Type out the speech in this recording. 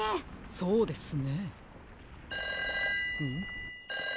そうですね。